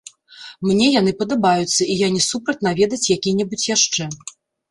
Мне яны падабаюцца, і я не супраць наведаць які-небудзь яшчэ.